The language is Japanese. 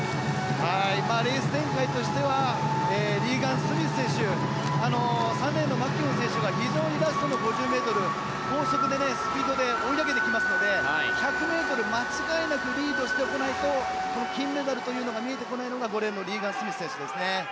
レース展開としてはリーガン・スミス選手３レーンのマキュオン選手が非常にラストの５０ｍ、高速でスピードで追い上げてきますので１００ｍ、間違いなくリードしておかないとこの金メダルというのが見えてこないのが５レーンのリーガン・スミス選手ですね。